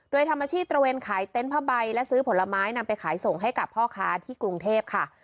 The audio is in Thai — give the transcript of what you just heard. โดยทำอาชีพตระเวนขายเต็นต์ผ้าใบและซื้อผลไม้นำไปขายส่งให้กับพ่อค้าที่กรุงเทพค่ะ